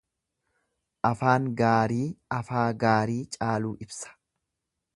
Afaan gaarii afaa gaarii caaluu ibsa.